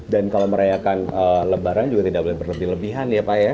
dan kalau merayakan lebaran juga tidak boleh berlebihan ya pak ya